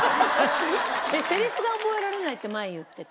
セリフが覚えられないって前言ってた。